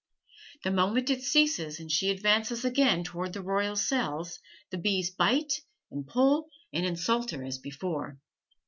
The moment it ceases and she advances again toward the royal cells, the bees bite and pull and insult her as before.